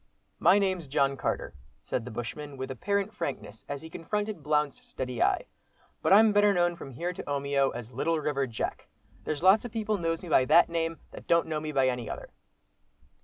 "My name's John Carter," said the bushman, with apparent frankness, as he confronted Blount's steady eye, "but I'm better known from here to Omeo, as 'Little River Jack'; there's lots of people knows me by that name, that don't know me by any other."